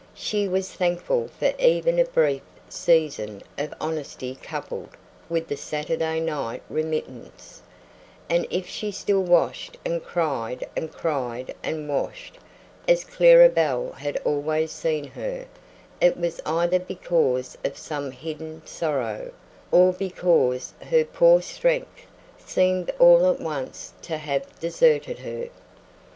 She was thankful for even a brief season of honesty coupled with the Saturday night remittance; and if she still washed and cried and cried and washed, as Clara Belle had always seen her, it was either because of some hidden sorrow, or because her poor strength seemed all at once to have deserted her.